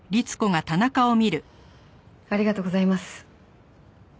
ありがとうございます。